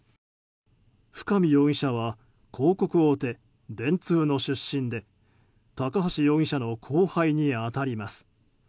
深見容疑者は広告大手電通の出身で高橋容疑者の後輩に当たります。